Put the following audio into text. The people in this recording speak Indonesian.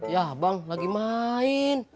yah bang lagi main